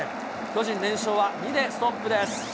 巨人連勝は２でストップです。